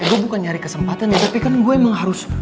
ee gue bukan nyari kesempatan ya tapi kan gue emang harus